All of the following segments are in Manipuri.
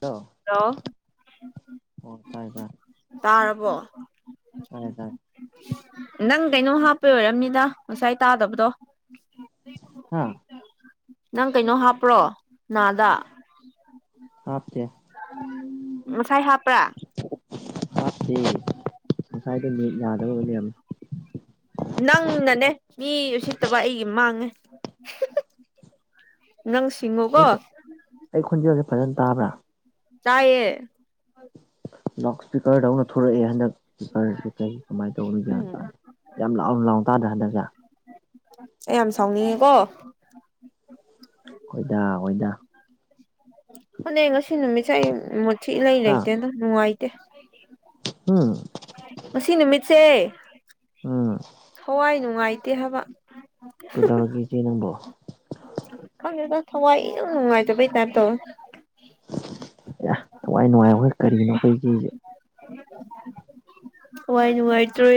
ꯇꯣ ꯍꯜꯂꯣ ꯇꯥꯏ ꯇꯥꯏ ꯇꯥꯔꯕꯣ ꯇꯥꯏ ꯇꯥꯏ ꯅꯪ ꯀꯩꯅꯣꯝ ꯍꯥꯞꯄ ꯑꯣꯏꯔꯝꯅꯤꯗ ꯉꯁꯥꯏ ꯇꯥꯗꯕꯗꯣ ꯍꯥ ꯅꯪ ꯀꯩꯅꯣ ꯍꯥꯞꯄ꯭ꯔꯣ ꯅꯥꯗ ꯍꯥꯞꯇꯦ ꯃꯁꯥꯏ ꯍꯥꯥꯄ꯭ꯔꯥ ꯍꯥꯞꯇꯦ ꯉꯁꯥꯏꯗ ꯅꯦꯠ ꯌꯥꯗꯕ ꯑꯣꯏ ꯂꯩꯔꯝꯃꯦ ꯅꯪꯅꯅꯦ ꯃꯤ ꯎꯁꯤꯠꯇꯕ ꯑꯩꯒꯤ ꯃꯥꯡꯉꯦ ꯅꯪ ꯁꯤꯡꯉꯣꯀꯣ ꯑꯩ ꯑꯩ ꯈꯣꯟꯖꯦꯜꯁꯦ ꯐꯖꯅ ꯇꯥꯕ꯭ꯔꯥ ꯆꯥꯏꯌꯦ ꯂꯥꯎꯠ ꯏꯁꯄꯤꯀꯔꯗꯧꯅ ꯊꯂꯛꯑꯦ ꯍꯟꯗꯛ ꯏꯁꯄꯤꯀꯔ ꯑꯁꯤ ꯀꯔꯤ ꯀꯃꯥꯏꯅ ꯇꯧꯕꯅꯣ ꯒ꯭ꯌꯥꯟ ꯎꯝ ꯇꯥꯅꯤ ꯌꯥꯝ ꯂꯥꯎꯅ ꯂꯥꯎ ꯇꯗ꯭ꯔꯦ ꯍꯟꯗꯛꯁꯦ ꯌꯥꯝ ꯁꯥꯎꯅꯤꯡꯉꯦꯀꯣ ꯍꯣꯏꯗꯥ ꯍꯣꯏꯗꯥ ꯐꯅ ꯉꯁꯤ ꯅꯨꯃꯤꯠꯁꯦ ꯑꯩ ꯃꯣꯠꯁꯤ ꯏꯂꯩ ꯍꯥ ꯂꯩꯇꯦ ꯑꯗꯨꯝ ꯅꯨꯡꯉꯥꯏꯇꯦ ꯎꯝ ꯉꯁꯤ ꯅꯨꯃꯤꯠꯁꯦ ꯎꯝ ꯊꯋꯥꯏ ꯅꯨꯡꯉꯥꯏꯇꯦ ꯍꯥꯏꯕ ꯇꯧꯔꯒ ꯏꯆꯦ ꯅꯪꯕꯣ ꯈꯗ ꯊꯧꯋꯥꯏꯅꯨꯡ ꯍꯥꯏꯥꯏꯩ ꯇꯔꯗ ꯊꯋꯥꯏ ꯅꯨꯡꯉꯥꯏ ꯑꯩꯈꯣꯏ ꯀꯔꯤꯅꯣ ꯑꯩꯈꯣꯏꯒꯤꯁꯦ ꯍꯣꯏ ꯅꯨꯡꯉꯥꯏꯇꯦ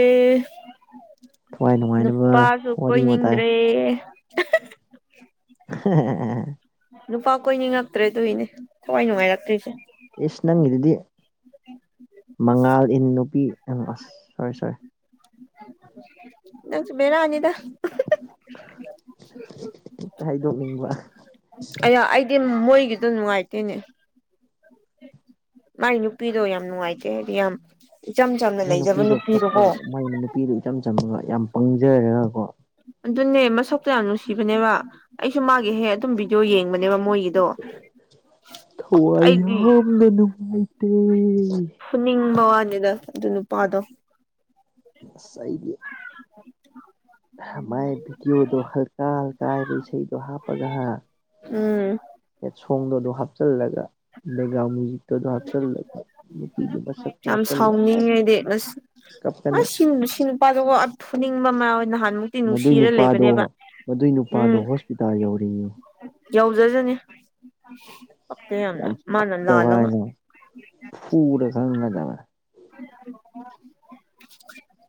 ꯊꯋꯥꯏ ꯅꯨꯡꯉꯥꯏꯅꯕ ꯅꯨꯄꯥꯁꯨ ꯋꯥꯔꯤ ꯋꯥꯇꯥꯏ ꯀꯣꯏꯅꯤꯡꯗ꯭ꯔꯦ [inaudible] ꯅꯨꯄꯥ ꯀꯣꯏꯅꯤ ꯉꯛꯇ꯭ꯔꯦ ꯇꯣꯏꯅꯦ ꯊꯋꯥꯏ ꯅꯨꯡꯉꯥꯏꯔꯛꯇ꯭ꯔꯤꯁꯦ ꯏꯁ ꯅꯪꯒꯤꯗꯨꯗꯤ ꯃꯉꯥꯜ ꯏꯟ ꯅꯨꯄꯤ ꯑꯁ ꯁꯔ ꯁꯔ ꯅꯁꯨ ꯃꯦꯅ ꯑꯅꯤꯗ ꯍꯥꯏꯗꯣꯛꯅꯤꯡꯕ ꯑ ꯑꯩꯗꯤ ꯃꯣꯏꯒꯤꯗꯣ ꯅꯨꯡꯉꯥꯏꯇꯣꯏꯅꯦ ꯃꯥꯒꯤ ꯅꯨꯄꯤꯗꯣ ꯌꯥꯝ ꯅꯨꯡꯉꯥꯏꯖꯦ ꯍꯥꯏꯗꯤ ꯌꯥꯝ ꯏꯆꯝ ꯆꯝꯅ ꯂꯩꯖꯕ ꯅꯨꯄꯤꯗꯨꯣꯀꯣ ꯄꯤꯗꯨꯣ ꯏꯆꯝ ꯆꯝꯃꯒ ꯌꯥꯝ ꯄꯪꯖꯔꯒꯀꯣ ꯑꯗꯨꯅꯦ ꯃꯁꯣꯛꯛꯇ ꯌꯥꯝ ꯅꯨꯡꯁꯤꯕꯅꯦꯕ ꯑꯩꯁꯨ ꯃꯥꯒꯤ ꯍꯦꯛ ꯑꯗꯨꯝ ꯚꯗꯤꯑꯣ ꯌꯦꯡꯕꯅꯦꯕ ꯃꯣꯏꯒꯤꯗꯤ ꯊ ꯌꯥꯝ ꯑꯩꯗꯤ ꯂꯅꯅꯨꯡꯉꯥꯏꯇꯦ ꯍꯨꯅꯤꯡꯕ ꯋꯥꯅꯤꯗ ꯑꯗꯨ ꯅꯨꯄꯥꯗꯣ ꯑꯥꯏꯗꯤ ꯃꯥꯏ ꯚꯤꯗꯤꯑꯣꯗꯣ ꯍꯜꯀꯥ ꯍꯜꯀꯥꯕ ꯏꯁꯩꯗꯣ ꯍꯥꯞꯄꯒ ꯎꯝ ꯁꯣꯡꯗꯣ ꯑꯗꯨꯣ ꯍꯥꯞꯆꯜꯂꯒ ꯅꯒꯒꯥꯃꯖꯤꯛꯇꯗ ꯍꯆꯜꯂ ꯄꯤꯒꯤ ꯃ ꯁꯛꯇ ꯍꯥꯆꯜꯂ ꯏꯁ ꯏꯁ ꯀꯞꯇꯅꯦ ꯊꯨꯅꯤꯡꯕ ꯃꯌꯥꯝ ꯅꯍꯥꯟ ꯃꯗꯨꯏ ꯅꯨꯄꯥꯗꯣ ꯃꯗꯨꯏ ꯅꯨꯄꯥꯗꯣ ꯍꯣꯁꯄꯤꯇꯥꯜ ꯌꯧꯔꯤꯌꯦ ꯌꯧꯖꯔꯅꯤ ꯀ ꯌꯥꯝꯅ ꯌꯥꯝ ꯃꯥꯅ ꯂꯥ ꯐꯠꯇꯕ ꯂꯕ ꯍꯥꯏꯅ ꯐꯨꯔ ꯈꯪꯒꯗꯕꯅꯦ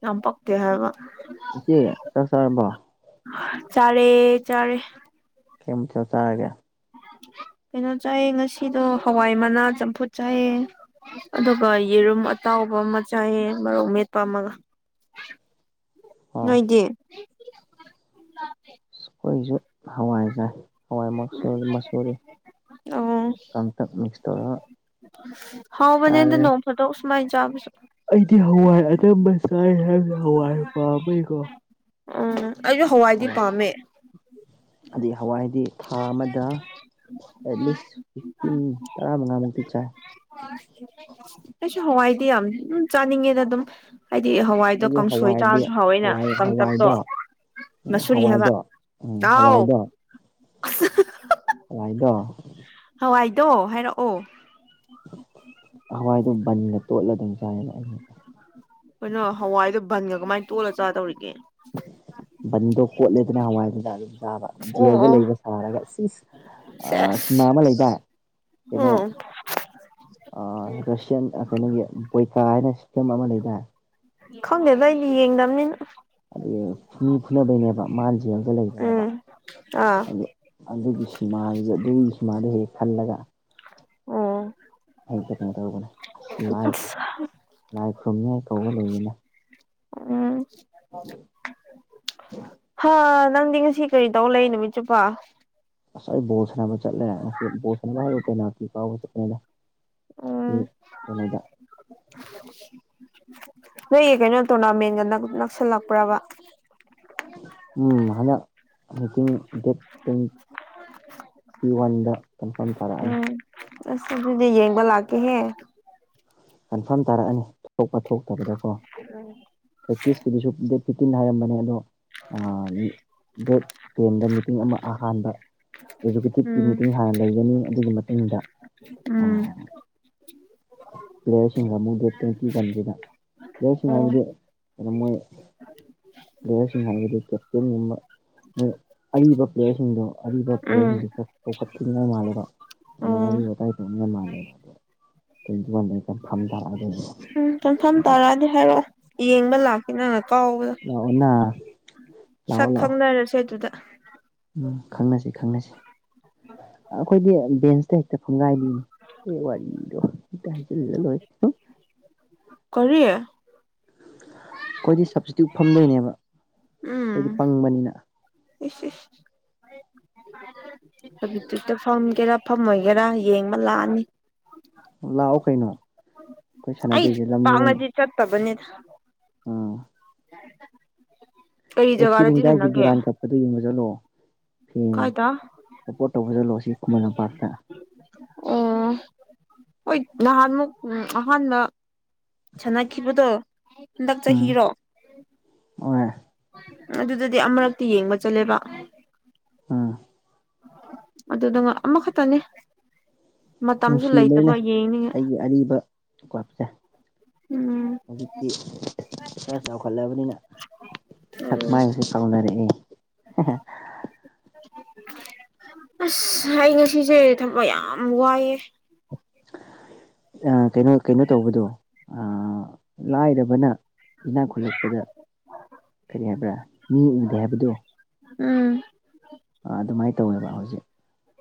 ꯌꯥꯝꯄꯛꯇ ꯍꯥꯏꯕ ꯏꯆꯦ ꯆꯠ ꯆꯥꯔꯔꯕꯣ ꯆꯔꯦ ꯆꯔꯦ ꯀꯩꯝꯇ ꯇ ꯍꯥꯏꯑꯒꯦ ꯀꯩꯅꯣ ꯆꯥꯏꯌꯦ ꯉꯁꯤꯗꯣ ꯍꯋꯥꯏ ꯃꯅꯥ ꯆꯝꯐꯨꯠ ꯆꯥꯏꯌꯦ ꯑꯗꯨꯒ ꯌꯦꯔꯨꯝ ꯑꯇꯥꯎꯕ ꯑꯃ ꯆꯥꯏꯌꯦ ꯃꯔꯧ ꯃꯦꯠꯄ ꯑꯃꯒ [inaudible] ꯅꯣꯏꯗꯤ ꯑꯩꯈꯣꯏꯁꯨ ꯍꯋꯥꯏ ꯆꯥꯏ꯫ ꯍꯋꯥꯏ ꯃꯥꯛꯁ ꯃꯁꯣꯔꯤ ꯑꯣ ꯇꯪꯇꯛ ꯃꯤꯛꯁ ꯇꯧꯔꯒ ꯍꯥꯎꯕꯅꯦ ꯆꯥꯔꯦ ꯍꯗ ꯅꯣꯡ ꯐꯗꯣꯛ ꯁꯨꯃꯥꯏꯅ ꯆꯥꯕꯁꯨ꯫ ꯑꯩꯗꯤ ꯍꯋꯥꯏ ꯑꯆꯝꯕ ꯆꯥꯏ ꯍꯥꯏꯕꯗ ꯍꯋꯥꯏ ꯄꯥꯝꯃꯦꯀꯣ꯫ ꯎꯝ ꯑꯩꯁꯨ ꯍꯋꯥꯏꯗꯤ ꯄꯥꯝꯃꯦ꯫ ꯑꯗꯩ ꯍꯋꯥꯏꯗꯤ ꯊꯥ ꯑꯃꯗ ꯑꯦꯠꯂꯤꯁ ꯐꯤꯐꯇꯤꯟ ꯇꯔꯥ ꯃꯉꯥꯃꯨꯛꯇꯤ ꯆꯥꯏ꯫ ꯍꯣꯏ ꯀꯩꯁꯨ ꯍꯋꯥꯏꯗꯤ ꯌꯥꯝ ꯆꯥꯅꯤꯡꯉꯦꯗ ꯑꯗꯨꯝ ꯍꯥꯏꯗꯤ ꯍꯋꯥꯏꯗꯣ ꯑꯩꯗꯤ ꯀꯥꯡꯁꯣꯏ ꯍꯋꯥꯏꯗꯤ ꯆꯥꯕꯁꯨ ꯍꯥꯎꯋꯦꯅ ꯍꯋꯥꯏ ꯀꯪꯇꯛꯇꯣ꯫ ꯍꯋꯥꯏꯗꯣ ꯎꯝ ꯃꯁꯔꯤ ꯍꯥꯕ ꯍꯋꯥꯏꯗꯣ ꯎꯝ ꯑꯥꯎ ꯍꯋꯥꯏꯗꯣ ꯋꯥꯥꯏꯗ ꯍꯋꯥꯏꯗꯣ ꯍꯥꯏꯔꯛꯑꯣ꯫ ꯍꯋꯥꯏꯗꯣ ꯕꯟꯒ ꯇꯣꯠꯂ ꯑꯗꯨꯝ ꯆꯥꯏꯌꯦꯅ ꯑꯩꯩꯅ ꯑꯩꯈꯣꯏꯅ ꯍꯋꯥꯏꯗꯣ ꯕꯟꯒ ꯀꯃꯥꯏꯅ ꯇꯣꯠꯂ ꯆꯥꯗꯧꯔꯤꯒꯦ꯫ ꯕꯟꯗꯣ ꯈꯣꯠꯂꯦꯗꯅ ꯍꯋꯥꯏꯗꯨꯗ ꯑꯗꯨꯝ ꯆꯥꯕ ꯑꯣ ꯖꯦꯜꯗ ꯑꯣ ꯂꯩꯕ ꯁꯥꯔꯒ ꯁꯤ꯫ ꯑ ꯁꯦꯁ ꯁꯤꯝꯃ ꯑꯃ ꯂꯩꯇꯥ ꯀꯩꯅꯣ꯫ ꯎꯝ ꯔꯁꯤꯌꯥꯟ ꯀꯩꯅꯣꯒꯤ ꯕꯣꯏꯀꯥ ꯍꯥꯏꯅ ꯁꯤꯦꯝ ꯑꯃ ꯂꯩꯇꯥꯔꯦ꯫ ꯈꯪꯗꯦꯗ ꯑꯩꯗꯤ ꯌꯦꯡꯗꯕꯅꯤ꯫ ꯑꯗꯨꯩ ꯃꯤ ꯐꯨꯅꯕꯩꯅꯦꯕ ꯃꯥꯅ ꯖꯦꯜꯗ ꯂꯩꯕꯅꯦꯕ ꯎꯝ ꯑꯥ ꯑꯗꯨ ꯑꯗꯨꯒꯤ ꯁꯤꯃꯥ ꯑꯗꯨꯒꯤ ꯁꯤꯃꯥꯗ ꯍꯦꯛ ꯈꯜꯂꯒ ꯑꯣ ꯑꯩ ꯀꯩꯅꯣ ꯇꯧꯕꯅꯦ ꯑꯁ ꯂꯥꯏ ꯑꯁ ꯂꯥꯏ ꯈꯨꯔꯨꯝꯅꯤ ꯑꯩ ꯀꯧꯕ ꯂꯩꯅꯤꯅ꯫ ꯎꯝ ꯍꯥ ꯅ ꯁꯤ꯫ ꯀꯔꯤ ꯇꯧ ꯂꯩ ꯅꯨꯃꯤꯠ ꯆꯨꯞꯄꯥ ꯑꯁ ꯑꯩ ꯕꯣꯜ ꯁꯥꯟꯅꯕ ꯆꯠꯂꯦ ꯉꯁꯤ ꯕꯣꯜ ꯁꯅꯕ ꯍꯥꯏꯕ ꯄꯦꯟꯅꯥꯏꯑꯇꯤ ꯀꯧꯎꯕ ꯆꯠꯄꯅꯤꯘ ꯍ ꯎꯝ ꯀꯩꯅꯣꯗ ꯅꯣꯏꯒꯤ ꯀꯩꯅꯣ ꯇꯣꯔꯅꯥꯃꯦꯟꯒ ꯅꯛꯁꯜꯂꯛꯄ꯭ꯔꯕ ꯎꯝ ꯍꯟꯗꯛ ꯃꯤꯇꯤꯡ ꯗꯦꯠ ꯇ꯭ꯋꯦꯟ ꯫ ꯄꯤ ꯋꯥꯟꯗ ꯀꯟꯐꯥꯝ ꯇꯥꯔꯛꯑꯅꯤ꯫ ꯎꯝ ꯑꯁ ꯑꯗꯨꯗꯤ ꯌꯦꯡꯕ ꯂꯥꯛꯀꯦꯍꯦ꯫ ꯀꯟꯐꯥꯔꯝ ꯇꯥꯔꯛꯑꯅꯤ ꯊꯣꯛꯄ ꯊꯣꯛꯇꯕꯗꯀꯣ ꯄ꯭ꯔꯦꯛꯇꯤꯁꯀꯤꯗꯨꯁꯨ ꯐꯤꯐꯇꯤꯟ ꯍꯥꯏꯔꯝꯕꯅꯦ ꯑꯗꯣ ꯗꯦꯠ ꯇꯦꯟꯗ ꯃꯤ꯫ ꯃꯤꯇꯤꯡ ꯑꯃ ꯑꯍꯥꯟꯕ ꯑꯦꯖꯨꯀꯦꯇꯤꯞꯀꯤ ꯎꯝ ꯃꯤꯇꯤꯡ ꯍꯥꯟꯅ ꯂꯩꯒꯅꯤ ꯑꯗꯨꯒꯤ ꯃꯇꯨꯡꯗ ꯎꯝ ꯄ꯭ꯂꯦꯌꯔꯁꯤꯡꯒ ꯑꯃꯕꯨꯨꯗꯤ ꯇꯀꯤ ꯀꯟꯗꯗ ꯄ꯭ꯂꯦꯌꯔꯁꯤꯡ ꯎꯝ ꯍꯥꯏꯗꯤ ꯀꯩꯅꯣ ꯃꯣꯏ ꯄ꯭ꯂꯦꯌꯔꯁꯤꯡ ꯍꯥꯏꯕꯗꯤ ꯀꯦꯞꯇꯦꯟꯒꯨꯝꯕ ꯃꯣꯏ ꯑꯔꯤꯕ ꯄ꯭ꯂꯦꯌꯔꯁꯤꯡꯗꯣ ꯑꯔꯤꯕ ꯎꯝ ꯄ꯭ꯂꯦꯌꯔꯁꯤꯡꯗꯨ ꯈ ꯆꯥꯎꯧꯈꯠꯄꯤꯉ ꯃꯥꯜꯂꯦꯕ꯫ ꯅꯪ ꯎꯝ ꯋꯥꯔꯤ ꯋꯥꯇꯥꯏ ꯇꯧꯅ ꯃꯥꯜꯂꯦꯗ [unintelligible] ꯇꯏꯒꯤꯃꯥꯟꯅꯦ꯫ ꯎꯝ ꯆꯝꯐꯝꯥꯐꯝ ꯇꯔꯥꯗꯤ ꯍꯥꯏꯔꯛꯑꯣ ꯌꯦꯡꯕ ꯂꯥꯛ ꯅꯪꯅꯥ ꯀꯥꯎꯕꯗ ꯂꯥꯛꯑꯣꯅ ꯂꯥꯛꯑꯣ ꯁꯛ ꯂꯥꯛꯑꯣ ꯈꯪꯅꯔꯁꯦ ꯑꯗꯨꯗ ꯎꯝ ꯈꯪꯅꯁꯤ ꯈꯪꯅꯁꯤ꯫ ꯑꯩꯈꯣꯏꯗꯤ ꯕꯦꯟꯁꯇ ꯍꯦꯛꯇ ꯐꯪꯒꯥꯏꯗꯅꯤ ꯑꯩ ꯋꯥꯔꯤꯗꯣ ꯍꯦꯛꯇ ꯍꯩꯖꯤꯜꯂꯒ ꯂꯣꯏ ꯀꯔꯤ ꯑꯩꯈꯣꯏꯗꯤ ꯁꯞꯇꯤꯇꯨꯠꯇ ꯐꯝꯗꯣꯏꯅꯦꯕ ꯎꯝ ꯑꯩꯈꯣꯏꯗꯤ ꯄꯪꯕꯅꯤꯅ ꯏꯁꯁ ꯁꯞꯇꯤꯇꯨꯠꯇ ꯐꯝꯒꯦꯔꯥ ꯐꯝꯃꯣꯏꯒꯦꯔꯥ ꯌꯦꯡꯕ ꯂꯥꯛꯑꯅꯤ꯫ ꯂꯥꯛꯑꯣ ꯀꯩꯅꯣ ꯑꯩꯈꯣꯏ ꯁꯥꯟꯅꯗꯣꯏꯁꯦ ꯂꯝꯂꯨꯅ ꯆꯠꯇꯕ ꯅꯤꯗ ꯑꯦꯐꯁꯤ ꯁꯤꯔꯤꯖ ꯍꯥꯏꯒꯦ ꯗꯨꯔꯥꯟ ꯀꯞ ꯑꯗꯨ ꯌꯡꯕ ꯆꯠꯂꯣ ꯐꯦꯟ ꯀꯥꯏꯗ ꯑꯞꯄꯣꯠ ꯇꯧꯕ ꯆꯠꯂꯣ ꯁꯤ ꯈꯨꯃꯟ ꯂꯝꯄꯥꯛꯇ ꯑꯣ ꯍꯣꯏ ꯅꯍꯥꯟꯃꯨꯛ ꯑꯍꯥꯟꯕ ꯁꯥꯟꯅꯈꯤꯕꯗꯣ ꯍꯟꯗꯛ ꯆꯍꯤꯔꯣ ꯑꯣ ꯑꯗꯨꯗꯗꯤ ꯑꯃꯨꯔꯛꯇꯤ ꯌꯦꯡꯕ ꯆꯠꯂꯦꯕ ꯎꯝ ꯑꯗꯨ ꯅꯪ ꯑꯃꯈꯛꯇꯅꯦ ꯃꯇꯝꯁꯨ ꯅꯨꯡꯁꯤꯕ ꯂꯣꯏꯅ ꯂꯩꯇꯕ ꯌꯦꯡꯅꯤꯡꯉꯦ ꯑꯩꯒꯤ ꯑꯔꯤꯕꯀꯄꯁꯦ ꯎꯝ ꯍꯧꯖꯤꯛꯇꯤ ꯈꯔꯥ ꯆꯥꯎꯈꯠꯂꯕꯅꯤꯅ ꯁꯛꯃꯥꯏꯁꯨ ꯀꯎꯅꯔꯦꯍꯦ ꯑꯁ ꯑꯩ ꯉꯁꯤꯁꯦ ꯊꯕꯛ ꯌꯥꯝ ꯋꯥꯏꯑꯦ ꯀꯩꯅꯣ ꯀꯩꯅꯣ ꯇꯧꯕꯗꯣ ꯂꯥꯏꯔꯕꯅ ꯏꯅꯥꯛ ꯈꯨꯜꯂꯛꯄꯗ ꯀꯔꯤ ꯍꯥꯏꯕ꯭ꯔꯥ ꯃꯤ ꯎꯗꯦ ꯍꯥꯏꯕꯗꯣ ꯎꯝ ꯑꯗꯨꯃꯥꯏꯅ ꯇꯧꯋꯦꯕ ꯍꯧꯖꯤꯛ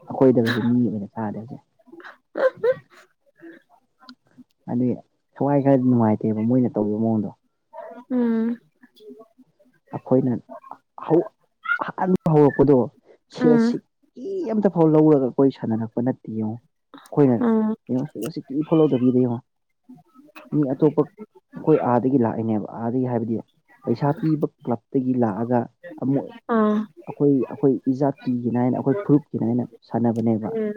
ꯑꯩꯈꯣꯏꯗꯒꯁ ꯃꯤ ꯑꯣꯏꯅ ꯆꯥꯗꯦ ꯍꯧꯖꯤꯛ ꯑꯗꯨꯗꯤ ꯁꯋꯥꯏ ꯈꯔꯗꯤ ꯅꯨꯡꯉꯥꯏꯇꯦꯕ ꯃꯣꯏꯅ ꯇꯧꯔꯤꯕ ꯃꯑꯣꯡꯗꯣ ꯎꯝ ꯑꯩꯈꯣꯏꯅ ꯑꯍꯥꯟꯕ ꯍꯧꯔꯛꯄꯗꯣ ꯎꯝ ꯁꯦꯜꯁꯤ ꯑꯃꯇ ꯐꯥꯎ ꯂꯧꯔꯒ ꯑꯩꯈꯣꯏ ꯁꯥꯟꯅꯔꯛꯄ ꯅꯠꯇꯦ ꯌꯦꯡꯉꯣ ꯑꯩꯈꯣꯏꯅ ꯎꯝ ꯌꯦꯡꯉꯣ ꯁꯤꯁꯤ ꯀ ꯐꯣꯜꯂꯧ ꯇꯧꯕꯤꯗꯦ ꯌꯦꯡꯉꯣ ꯃꯤ ꯑꯇꯣꯞꯄ ꯑꯩꯈꯣꯏ ꯑꯥꯗꯒꯤ ꯂꯥꯛꯏꯅꯦꯕ ꯑꯥꯗꯒꯤ ꯍꯥꯏꯕꯗꯤ ꯄꯩꯁꯥ ꯄꯤꯕ ꯀ꯭ꯂꯞꯇꯒꯤ ꯂꯥꯛꯑꯒ ꯑꯃꯨꯛ ꯑꯥ ꯑꯩꯈꯣꯏ ꯑꯩꯈꯣꯏ ꯏꯖꯥꯇꯤꯒꯤ ꯍꯥꯏꯅ ꯑꯩꯈꯣꯏ ꯐꯨꯔꯨꯞꯀꯤ ꯍꯥꯏꯅ ꯁꯥꯟꯅꯕꯅꯦꯕ ꯎꯝ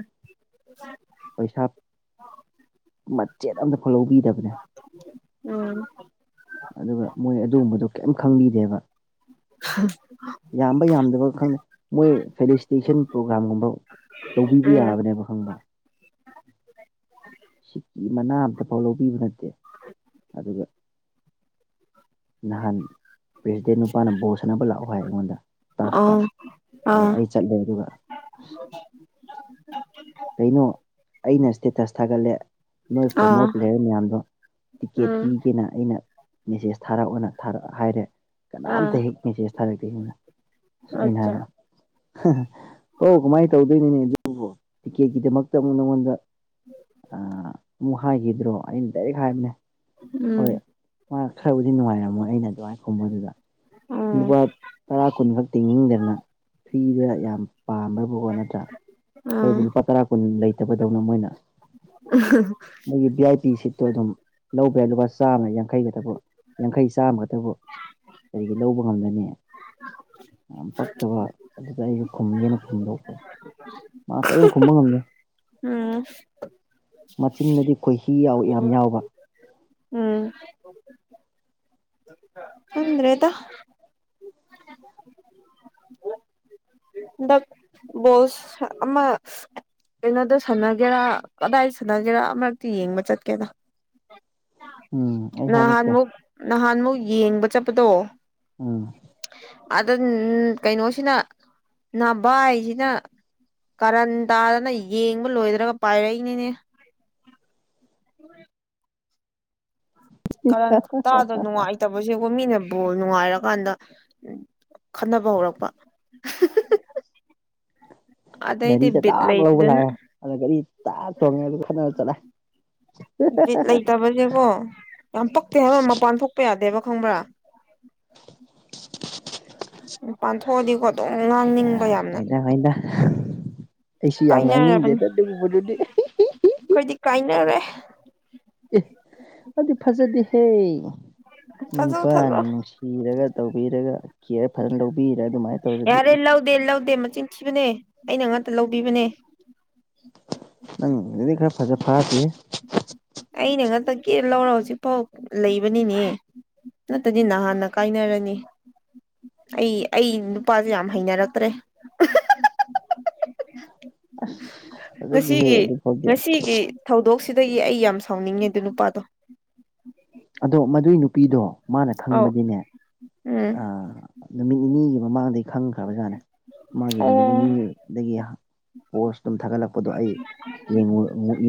ꯄꯩꯁꯥ ꯃꯆꯦꯠ ꯑꯝꯇ ꯐꯠꯍꯧꯕꯤꯗꯕꯅꯦ ꯎꯝ ꯑꯗꯨꯒ ꯃꯣꯏ ꯑꯗꯨꯒꯨꯝꯕꯗꯣ ꯀꯔꯤꯝ ꯈꯪꯕꯤꯗꯦꯕ ꯍ ꯌꯥꯝꯕ ꯌꯥꯝꯗꯕ ꯈꯪꯗꯦ ꯃꯣꯏ ꯐꯦꯂꯤꯁꯇꯦꯁꯟ ꯄ꯭ꯔꯣꯒꯥ꯭ꯔꯥꯝꯒꯨꯝꯕ ꯇꯧꯕꯤꯕ ꯎꯝ ꯌꯥꯕꯅꯦꯕ ꯈꯪꯕ꯭ꯔ ꯁꯤꯀꯤ ꯃꯅꯥ ꯑꯃꯇꯐꯥꯎ ꯂꯧꯕꯤꯕ ꯅꯠꯇꯦ ꯑꯗꯨꯒ ꯅꯍꯥꯟ ꯄ꯭ꯔꯦꯁꯤꯗꯦꯟ ꯅꯨꯄꯥꯅ ꯕꯣ ꯁꯥꯟꯅꯕ ꯂꯥꯛꯑꯣ ꯍꯥꯏ ꯑꯩꯉꯣꯟꯗ ꯇꯇꯥꯐꯇ ꯑꯩ ꯆꯠꯂꯦ ꯑꯗꯨꯒ ꯍ ꯀꯩꯅꯣ ꯑꯩꯅ ꯏꯁꯇꯦꯇꯁ ꯊꯥꯒꯠꯂꯦ ꯅꯣꯏ ꯑꯥ ꯐꯣꯔꯃꯔ ꯄ꯭ꯂꯦꯌꯔ ꯃꯌꯥꯝꯗꯣ ꯇꯤꯛꯀꯦꯠ ꯎꯝ ꯄꯤꯒꯦꯅ ꯑꯩꯅ ꯃꯦꯁꯦꯖ ꯊꯥꯔꯛꯑꯣꯅꯥꯔꯛ ꯍꯥꯏꯔꯦ ꯑꯥ ꯀꯅꯥꯝꯇ ꯍꯦꯛ ꯃꯦꯁꯦꯁ ꯊꯥꯔꯛꯇꯦ ꯁꯤꯅ ꯑꯁ ꯑꯩꯅ ꯑꯆꯥ ꯍꯥꯏꯕꯗ ꯑꯣꯧ ꯀꯃꯥꯏꯅ ꯇꯧꯗꯣꯏꯅꯤꯅꯦ ꯑꯗꯨꯕꯣ ꯇꯤꯀꯦꯠꯀꯤꯗꯃꯛꯇ ꯑꯃꯨꯛ ꯅꯪꯉꯣꯟꯗ ꯑꯃꯨꯛ ꯍꯥꯏꯈꯤꯗ꯭ꯔꯣ ꯑꯩꯅ ꯗꯥꯏꯔꯦꯛ ꯍꯥꯏꯕꯅꯦ ꯎꯝ ꯍꯣꯏ ꯃꯥ ꯈꯔꯕꯨꯗꯤ ꯅꯨꯡꯉꯥꯏꯔꯝꯃꯣꯏ ꯑꯩꯅ ꯑꯗꯨꯃꯥꯏꯅ ꯈꯨꯝꯕꯗꯨꯗ ꯑꯣ ꯂꯨꯄꯥ ꯇꯔꯥ ꯀꯨꯟꯈꯛ ꯇꯤꯡꯅꯤꯡꯗꯅ ꯐ꯭ꯔꯤꯗ ꯌꯥꯝ ꯄꯥꯝꯕꯕꯨ ꯅꯠꯇ꯭ꯔꯥ ꯑꯩꯈꯣꯏꯕꯨ ꯑꯥ ꯂꯨꯄꯥ ꯇꯔꯥ ꯀꯨꯟ ꯂꯩꯇꯕꯗꯧꯅ ꯃꯣꯏꯅ ꯑ ꯃꯣꯏꯒꯤ ꯚꯤ ꯑꯥꯏ ꯄꯤ ꯁꯤꯠꯇꯣ ꯑꯗꯨꯝ ꯂꯧꯕ ꯌꯥꯏ ꯂꯨꯄꯥ ꯆꯥꯝꯃꯡ ꯌꯥꯡꯈꯩꯒꯛꯇꯕꯨ ꯌꯥꯡꯈꯩ ꯆꯥꯝꯃꯒꯛꯇꯕꯨ ꯀꯔꯤꯒꯤ ꯂꯧꯕ ꯉꯝꯒꯅꯤ ꯌꯥꯝ ꯄꯛꯇꯕ ꯑꯗꯨꯗ ꯑꯩꯁꯨ ꯈꯨꯝꯒꯦꯅ ꯈꯨꯝꯗꯣꯛꯄ ꯃꯥ ꯀꯔꯤꯝ ꯈꯨꯝꯕ ꯉꯝꯒꯦ ꯎꯝ ꯃꯆꯤꯟꯅꯗꯤ ꯈꯣꯏꯍꯤ ꯌꯥꯎ ꯌꯥꯝ ꯌꯥꯎꯕ ꯎꯝ ꯑꯗꯨꯗ꯭ꯔꯦꯗ ꯗꯣꯁ ꯑꯃ ꯀꯩꯅꯣꯗ ꯁꯥꯟꯅꯒꯦꯔꯥ ꯀꯗꯥꯏꯗ ꯁꯥꯟꯅꯒꯦꯔꯥ ꯑꯃꯛꯇꯤ ꯌꯦꯡꯕ ꯆꯠꯀꯦꯅ ꯎꯝ ꯑꯩ ꯍꯥꯏꯔꯛꯀꯦ ꯅꯍꯥꯟꯃꯨꯛ ꯅꯍꯥꯟꯃꯨꯛ ꯌꯦꯡꯕ ꯆꯠꯄꯗꯣ ꯎꯝ ꯑꯗꯝ ꯀꯩꯅꯣꯁꯤꯅ ꯅꯚꯏꯁꯤꯅ ꯀꯔꯟ ꯇꯥꯗꯅ ꯌꯦꯡꯕ ꯂꯣꯏꯗ꯭ꯔꯒ ꯄꯥꯏꯔꯛꯏꯅꯤꯅꯦ ꯀꯔꯟ ꯈꯠꯇ ꯑꯗꯨꯅ ꯅꯨꯡꯉꯥꯏ ꯐꯠꯇꯕꯁ ꯑꯩꯕꯨꯣꯏ ꯃꯤꯅ ꯕꯣꯜ ꯅꯨꯡꯉꯥꯏꯔꯀꯥꯟꯗ ꯈꯟꯅꯕ ꯍꯧꯔꯛꯄ ꯒꯥꯔꯤ ꯑꯗꯩꯗꯤ ꯆ ꯕꯤꯠ ꯇꯥꯛ ꯂꯧꯕ ꯂꯩꯇꯗꯅ ꯂꯥꯛꯑꯦ ꯑꯗꯨꯗ ꯒꯥꯔꯤ ꯇꯥꯛ ꯊꯣꯡꯉꯦ ꯑꯗꯨ ꯈꯠꯔ ꯆꯠꯂꯦ ꯠ ꯂꯩꯇꯕꯁꯦꯕꯣ ꯌꯥꯝ ꯄꯛꯇꯦ ꯍꯥꯏꯕ ꯃꯄꯥꯟ ꯊꯣꯛꯄ ꯌꯥꯗꯦꯕ ꯈꯪꯕ꯭ꯔꯥ [inaudible] ꯎ ꯄꯥꯟꯊꯣꯛꯑꯗꯤꯀꯣ ꯑꯗꯨꯝ ꯍꯩꯗ ꯉꯥꯡꯅꯤꯡꯕ ꯌꯥꯝꯅ ꯍꯩꯗ ꯍꯩꯗ ꯑꯩꯁꯨ ꯌꯥꯝ ꯀꯥꯏꯅꯔꯕꯅꯤ ꯉꯥꯡꯅꯤꯡꯗꯦꯗ ꯑꯗꯨꯒꯨꯝꯕꯗꯨꯗꯤ ꯑꯩ ꯑꯩꯈꯣꯏꯗꯤ ꯀꯥꯏꯅꯔꯦ ꯑꯗꯨꯗꯤ ꯐꯖꯗꯦꯍꯦ ꯊꯥꯖꯧ ꯅꯨꯄꯥꯅ ꯊꯥꯖꯧ ꯅꯨꯡꯁꯤ ꯏꯤꯔꯒ ꯇꯧꯕꯤꯔꯒ ꯀꯦꯌꯔ ꯐꯖꯅ ꯂꯧꯕꯤꯔꯦ ꯑꯗꯨꯃꯥꯏꯅ ꯇꯧꯔꯗꯤ ꯌꯥꯔꯦ ꯂꯧꯗꯦ ꯂꯧꯗꯦ ꯃꯆꯤꯟ ꯊꯤꯕꯅꯦ ꯑꯩꯅ ꯉꯥꯛꯇ ꯂꯧꯕꯤꯕꯅꯦ ꯅꯪꯗꯤ ꯈꯔ ꯐꯖ ꯐꯇ ꯑꯩꯅꯦ ꯉꯥꯛꯇ ꯀꯦ ꯂꯧꯔ ꯍꯧꯖꯤꯛꯐꯥꯎ ꯂꯩꯕꯅꯤꯅꯦ ꯅꯠꯇꯗꯤ ꯅꯍꯥꯟꯅ ꯀꯥꯏꯅꯔꯅꯤ ꯑꯩ ꯑꯩ ꯅꯨꯄꯥꯁꯦ ꯌꯥꯝ ꯍꯩꯅꯔꯛꯇ꯭ꯔꯦ ꯑꯗꯨꯗꯤ ꯍꯦ ꯉꯁꯤꯒꯤ ꯑꯗꯨ ꯐꯩ ꯉꯁꯤꯒꯤ ꯊꯧꯗꯣꯛꯁꯤꯗꯒꯤ ꯑꯩ ꯌꯥꯝ ꯁꯥꯎꯅꯤꯡꯉꯦ ꯑꯗꯨ ꯅꯨꯄꯥꯗꯣ ꯑꯗꯣ ꯃꯗꯨꯏ ꯅꯨꯄꯤꯗꯣ ꯃꯥꯅ ꯑꯧ ꯈꯪꯕꯗꯤꯅꯦ ꯎꯝ ꯅꯨꯃꯤꯠ ꯅꯤꯅꯤꯒꯤ ꯃꯃꯥꯡꯗꯒꯤ ꯈꯪꯈ꯭ꯔꯕ ꯖꯥꯠꯅꯦ ꯃꯥꯒꯤ ꯑꯣ ꯅꯨꯃꯤꯠ ꯅꯤꯅꯤꯒꯤ ꯑꯗꯒꯤ ꯄꯣꯁꯇꯝ ꯊꯥꯒꯠꯂꯛꯄꯗꯣ ꯑꯩ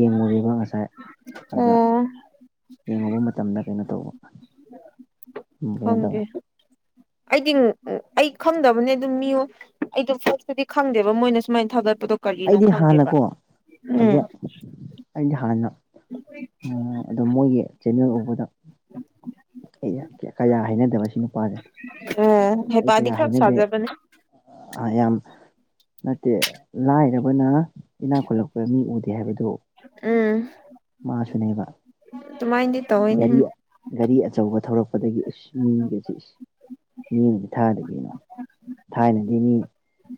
ꯌꯦꯡꯉꯦꯕ ꯉꯁꯥꯏ ꯑꯗꯨꯗ ꯑꯣ ꯌꯦꯡꯉꯨꯕ ꯃꯇꯝꯗ ꯀꯩꯅꯣ ꯇꯧꯕ ꯀꯩꯅꯣ ꯇꯧꯋꯦ ꯈꯪꯗꯦ ꯑꯩꯗꯤ ꯑꯩ ꯈꯪꯗꯕꯅꯦ ꯑꯗꯨꯝ ꯃꯤꯌꯣ ꯑꯩꯗꯣ ꯄꯣꯠꯁꯨꯨꯗꯤ ꯈꯪꯗꯦꯕ ꯃꯣꯏꯅ ꯁꯨꯃꯥꯏꯅ ꯊꯥꯒꯠꯄꯗꯣ ꯀꯔꯤꯅꯣ ꯑꯩꯗꯤ ꯈꯪꯗꯦꯕ ꯍꯥꯟꯅꯀꯣ ꯎꯝ ꯍꯧꯖꯤꯛ ꯑꯗꯤ ꯍꯥꯟꯅ ꯑꯣ ꯃꯣꯏꯒꯤ ꯆꯦꯅꯦꯜ ꯎꯕꯗ ꯑꯩ ꯀꯌꯥ ꯍꯥꯏꯅꯗꯕ ꯁꯤ ꯅꯨꯄꯥꯁꯦ ꯑꯣ ꯑꯥ ꯑꯩ ꯀꯌꯥ ꯍꯥꯏꯅꯗꯦ ꯌꯥꯝ ꯅꯠꯇꯦ ꯂꯥꯏꯔꯕꯅ ꯏꯅꯥꯛ ꯈꯨꯜꯂꯛꯄꯗ ꯃꯤ ꯎꯗꯦ ꯍꯥꯏꯕꯗꯨ ꯎꯝ ꯃꯥꯁꯨꯅꯦꯕ ꯇꯃꯥꯏꯗꯤ ꯇꯑꯣꯏꯅꯦ ꯒꯥꯔꯤ ꯒꯥꯔꯤ ꯑꯆꯧꯕ ꯊꯧꯔꯛꯄꯗꯒꯤ ꯃꯤꯒꯁꯤ ꯃꯤꯒ ꯊꯥꯗ ꯀꯅꯣ ꯊꯥꯏꯅꯗꯤ ꯃꯤ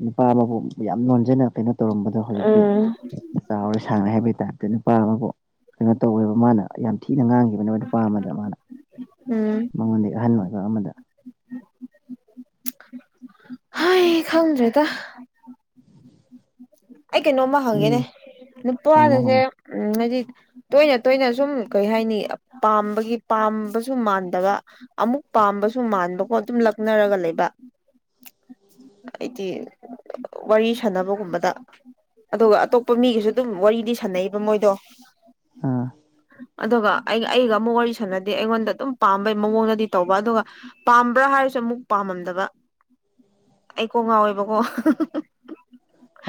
ꯅꯨꯄꯥ ꯑꯃꯕꯨ ꯌꯥꯝ ꯅꯣꯟꯖꯅ ꯀꯩꯅꯣ ꯇꯧꯔꯝꯕꯗꯣ ꯍꯧꯖꯤꯛꯇꯤ ꯎꯝ ꯆꯥꯎꯔꯦ ꯁꯥꯡꯉꯦ ꯍꯥꯏꯕꯩ ꯇꯥꯞꯇ ꯅꯨꯄꯥ ꯑꯃꯕꯨ ꯀꯩꯅꯣ ꯇꯧꯋꯦꯕ ꯃꯥꯅ ꯌꯥꯝ ꯊꯤꯅ ꯉꯥꯡꯈꯤꯕꯅꯦ ꯅꯨꯄꯥ ꯑꯃꯗ ꯃꯥꯅ ꯎꯝ ꯃꯉꯣꯟꯗꯒꯤ ꯑꯍꯟ ꯑꯣꯏꯕ ꯑꯃꯗ ꯍ ꯈꯪꯗ꯭ꯔꯦꯗ ꯑꯩ ꯀꯩꯅꯣꯝꯃ ꯃꯤ ꯍꯪꯒꯦꯅꯦ ꯍꯪꯉꯣ ꯅꯨꯄꯥꯗꯁꯦ ꯍꯪꯉꯣ ꯎꯝ ꯍꯥꯏꯗꯤ ꯇꯣꯏꯅ ꯇꯣꯏꯅ ꯁꯨꯝ ꯀꯩ ꯍꯥꯏꯅꯤ ꯄꯥꯝꯕꯒꯤ ꯄꯥꯝꯕꯁꯨ ꯃꯥꯟꯗꯕ ꯑꯃꯨꯛ ꯄꯥꯝꯕꯁꯨ ꯃꯥꯟꯕꯀꯣ ꯑꯗꯨꯝ ꯂꯛꯅꯔꯒ ꯂꯩꯕ ꯍꯥꯏꯗꯤ ꯋꯥꯔꯤ ꯁꯥꯟꯅꯕꯒꯨꯝꯕꯗ ꯑꯗꯨꯒ ꯑꯇꯣꯞꯄ ꯃꯤꯒꯤꯁꯨ ꯑꯗꯨꯝ ꯋꯥꯔꯤꯗꯤ ꯁꯥꯟꯅꯩꯕ ꯃꯣꯏꯗꯣ ꯑꯥ ꯑꯗꯨꯒ ꯑꯩꯒ ꯑꯩꯒ ꯑꯃꯨꯛ ꯋꯥꯔꯤ ꯁꯥꯟꯅꯗꯦ ꯑꯩꯉꯣꯟꯗ ꯑꯗꯨꯝ ꯄꯥꯝꯕꯩ ꯃꯑꯣꯡꯗꯗꯤ ꯇꯧꯕ ꯑꯗꯨꯒ ꯄꯥꯝꯕ꯭ꯔꯥ ꯍꯥꯏꯔꯁꯨ ꯑꯃꯨꯛ ꯄꯥꯝꯃꯝꯗꯕ ꯑꯩ ꯀꯣ ꯉꯥꯎꯋꯦꯕꯀꯣ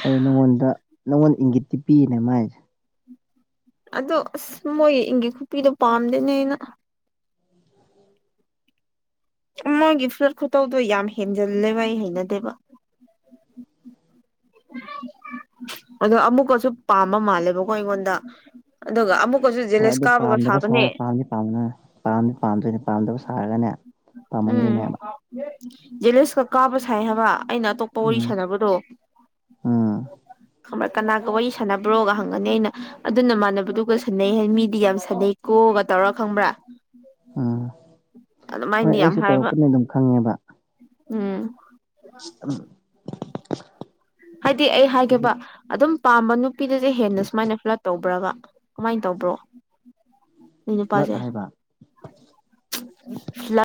ꯑꯩ ꯅꯪꯉꯣꯟꯗ ꯅꯪꯉꯣꯟꯗ ꯏꯪꯒꯤꯠꯇꯤ ꯄꯤꯅꯦ ꯃꯥꯏꯁꯦ ꯑꯗꯣ ꯑꯁ ꯃꯣꯏꯒꯤ ꯏꯪꯒꯤ ꯈꯨꯄꯤꯗꯣ ꯄꯥꯝꯗꯦꯅꯦ ꯑꯩꯅ ꯃꯥꯒꯤ ꯐꯨꯠ ꯈꯨꯇꯧꯗꯣ ꯌꯥꯝ ꯍꯦꯟꯖꯤꯜꯂꯦꯕ ꯑꯩ ꯍꯩꯅꯗꯦꯕ [unintelligible] ꯑꯗꯣ ꯑꯃꯨꯛꯀꯁꯨ ꯄꯥꯝꯕ ꯃꯥꯜꯂꯦꯕꯀꯣ ꯑꯩꯉꯣꯟꯗ ꯑꯗꯨꯒ ꯑꯃꯨꯛꯀꯁꯨ ꯖꯦꯂꯦꯁ ꯀꯥꯕꯒ ꯁꯥꯕꯅꯦ ꯊꯝ ꯄꯝꯅ ꯄꯥꯝꯅꯤ ꯄꯥꯝꯗꯣꯏꯅꯤ ꯄꯥꯝꯗꯕ ꯁꯥꯔꯒꯅꯦ ꯎꯝ ꯄꯥꯝꯃꯝꯗꯣꯏꯅꯦꯕ ꯖꯦꯂꯤꯁꯀ ꯀꯥꯕ ꯁꯥꯏ ꯍꯥꯏꯕ ꯑꯩꯅ ꯑꯇꯣꯞꯄ ꯋꯥꯔꯤ ꯁꯥꯟꯅꯕꯗꯣ ꯑ ꯈꯪꯕ꯭ꯔꯥ ꯀꯅꯥꯒ ꯋꯥꯔꯤ ꯁꯥꯟꯅꯕ꯭ꯔꯣꯒ ꯍꯪꯒꯅꯤ ꯑꯩꯅ ꯑꯗꯨꯅ ꯃꯥꯟꯅꯕꯗꯨꯒ ꯁꯥꯟꯅꯩ ꯍꯥꯏ ꯃꯤꯗꯤ ꯌꯥꯝꯅ ꯁꯥꯟꯅꯩ ꯀꯣꯛꯑꯒ ꯇꯧꯔ ꯈꯪꯕ꯭ꯔꯥ ꯎꯝ ꯍꯣꯏ ꯑꯗꯨꯃꯥꯏꯅꯗꯤ ꯌꯥꯝ ꯑꯩꯁꯨ ꯍꯥꯏꯕ ꯇꯧꯔꯛꯄꯅ ꯑꯗꯨꯝ ꯈꯪꯉꯦꯕ ꯎꯝ ꯎꯝ ꯍꯥꯏꯗꯤ ꯑꯩ ꯍꯥꯏꯒꯦꯕ ꯑꯗꯨꯝ ꯄꯥꯝꯕ ꯅꯨꯄꯤꯗꯨꯗꯤꯦ ꯍꯦꯟꯅ ꯁꯨꯃꯥꯏꯅ ꯄꯨꯂꯞ ꯇꯧꯕ꯭ꯔꯥꯒ ꯀꯃꯥꯏꯅ ꯇꯧꯕ꯭ꯔꯣ ꯅ ꯐ꯭ꯂꯠ ꯅꯨꯄꯥꯁꯦ ꯍꯥꯏꯕ ꯂ